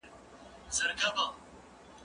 زه له سهاره سبا ته فکر کوم